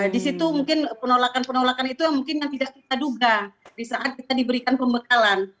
di situ mungkin penolakan penolakan itu yang mungkin yang tidak kita duga di saat kita diberikan pembekalan